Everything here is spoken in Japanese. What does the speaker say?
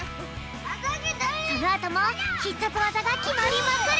そのあともひっさつわざがきまりまくる！